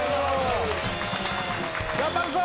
頑張るぞ！